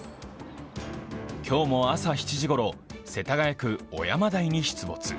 今日も朝７時ごろ、世田谷区尾山台に出没。